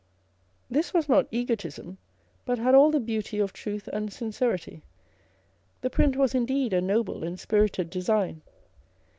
This was not egotism, but had all the beauty of truth and sincerity. The print was indeed a noble and spirited design.